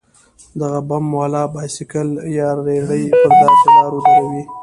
دغه بم والا بايسېکل يا رېړۍ پر داسې لارو دروو.